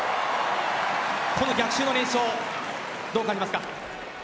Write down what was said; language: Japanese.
この逆襲の連勝どう感じますか？